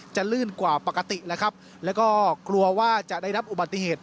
ลื่นกว่าปกติแล้วครับแล้วก็กลัวว่าจะได้รับอุบัติเหตุ